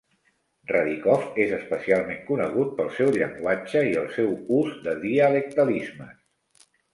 Radichkov és especialment conegut pel seu llenguatge i el seu ús de dialectalismes.